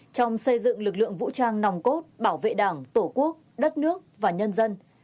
trong xây dựng lực lượng vũ trang nòng cốt bảo vệ đảng tổ quốc đất nước và nhân dân